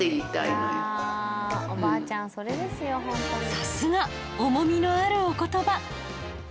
さすが重みのあるお言葉